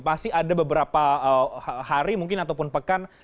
pasti ada beberapa hari mungkin ataupun pekan